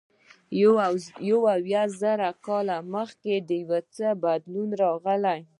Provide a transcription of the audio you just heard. اویا زره کاله مخکې یو څه بدلون راغی.